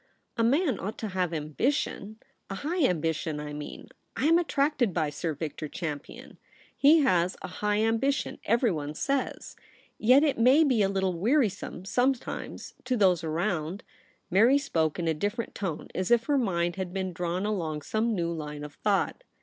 * A man ought to have ambition — a high ambition, I mean. I am attracted by Sir Victor Champion. He has a high ambition, everyone says. Yet it may be a little weari some sometimes to those around.' Mary spoke in a different tone, as if her mind had been drawn along some new line of thought.